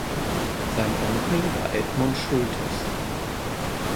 Sein Onkel war Edmund Schulthess.